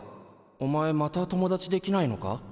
お前また友達できないのか？